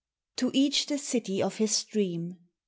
To each the city of his dream!